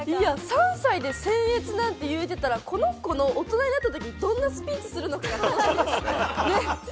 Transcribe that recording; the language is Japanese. ３歳で「僭越」なんて言えてたら、この子、大人になったらどんなスピーチするのかって思います。